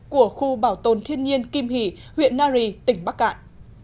của khu bảo tồn thiên nhiên kim hỷ huyện nari tỉnh bắc cạn